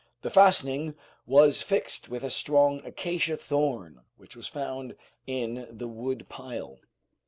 The fastening was fixed with a strong acacia thorn which was found in the wood pile.